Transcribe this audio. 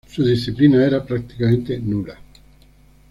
Su disciplina era prácticamente nula.